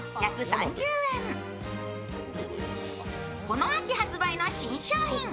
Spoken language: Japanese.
この秋発売の新商品。